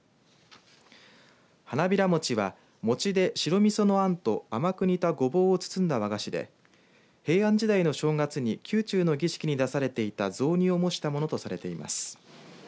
花びら餅は餅で白みそのあんと甘く煮たごぼうを包んだ和菓子で平安時代の正月に宮中の儀式に出されてた雑煮を模したものとされています。